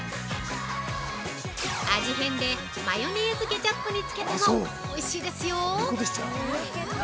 味変でマヨネーズケチャップにつけても、おいしいですよ。